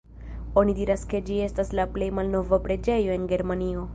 Oni diras ke ĝi estas la plej malnova preĝejo en Germanio.